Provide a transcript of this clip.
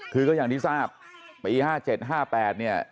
ทีนี้ครับปี๕๗๕๘เนี่ย